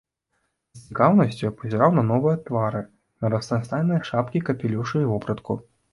З цікаўнасцю я пазіраў на новыя твары, на разнастайныя шапкі, капелюшы і вопратку.